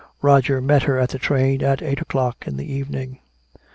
Roger met her at the train at eight o'clock in the evening.